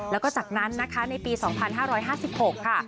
แล้วก็จากนั้นนะคะในปี๒๕๕๖ค่ะ